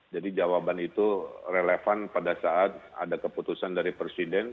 jawaban itu relevan pada saat ada keputusan dari presiden